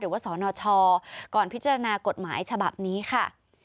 สนชก่อนพิจารณากฎหมายฉบับนี้ค่ะ